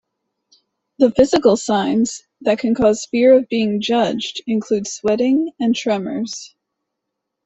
The physical signs that can cause fear of being judged include sweating and tremors.